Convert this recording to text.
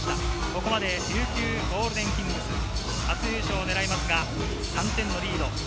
ここまで琉球ゴールデンキングス、初優勝を狙いますが、３点のリード。